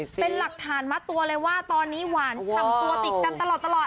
เป็นหลักฐานมัดตัวเลยว่าตอนนี้หวานฉ่ำตัวติดกันตลอด